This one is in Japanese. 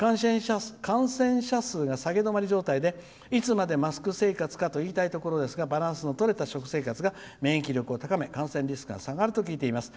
感染者数が下げ止まり状態でいつまでマスク生活かと言いたいところですがバランスのとれた食生活が免疫力を高め感染リスクが下がると聞いてます。